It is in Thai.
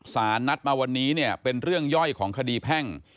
สารนัดมาวันนี้เนี่ยเป็นเรื่องย่อยของคดีแพ่ง